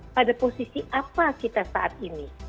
apa yang kita lakukan saat ini